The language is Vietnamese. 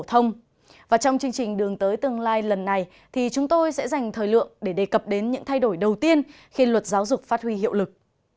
trong chương trình đường tới tương lai lần này thì chúng tôi sẽ dành thời lượng để đề cập đến những thay đổi đầu tiên khi luật giáo dục phát huy hiệu lực